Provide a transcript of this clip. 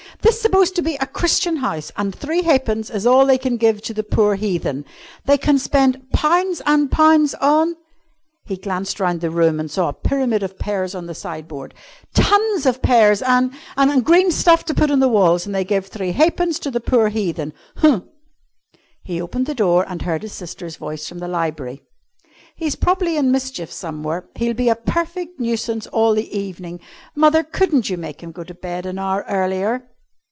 "This supposed to be a Christian house, and three halfpence is all they can give to the poor heathen. They can spend pounds and pounds on," he glanced round the room and saw a pyramid of pears on the sideboard "tons of pears an' an' green stuff to put on the walls, and they give three halfpence to the poor heathen! Huh!" He opened the door and heard his sister's voice from the library. "He's probably in mischief somewhere. He'll be a perfect nuisance all the evening. Mother, couldn't you make him go to bed an hour earlier?"